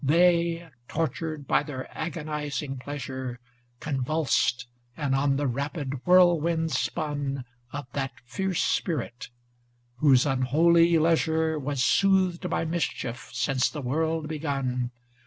They, tortured by their agonizing pleasure, Convulsed and on the rapid whirlwinds spun Of that fierce spirit whose unholy leisure Was soothed by mischief since the world begun.